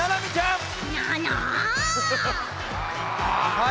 「はい！」